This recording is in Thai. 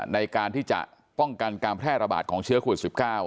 ในการที่จะป้องกันการแพร่ระบาดของเชื้อโควิด๑๙